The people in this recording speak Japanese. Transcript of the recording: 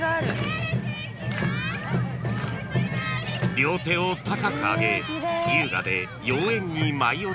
［両手を高く上げ優雅で妖艶に舞い踊るのが特徴］